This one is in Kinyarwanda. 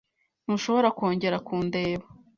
Ntushobora kongera kundeba.